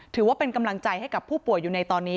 ถือว่าเป็นกำลังใจให้กับผู้ป่วยอยู่ในตอนนี้